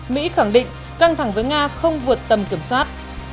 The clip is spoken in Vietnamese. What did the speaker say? mỹ khẳng định căng thẳng với nga không vượt tầm kiểm soát